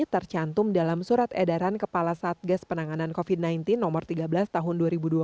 tercantum dalam surat edaran kepala satgas penanganan covid sembilan belas no tiga belas tahun dua ribu dua puluh